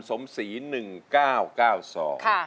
สมศี๑๙๙๒ค่ะ